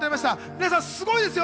皆さん、すごいですよ！